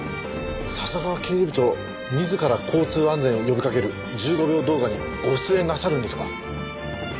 笹川刑事部長自ら交通安全を呼びかける１５秒動画にご出演なさるんですか？